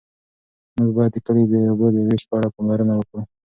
موږ باید د کلي د اوبو د وېش په اړه پاملرنه وکړو.